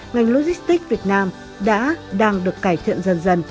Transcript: ngành logistics việt nam đã đang được cải thiện dần dần